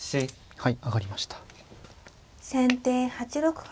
はい。